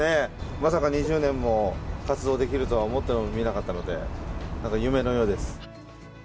まさか２０年も活動できるとは思ってもみなかったので何か、夢のようです。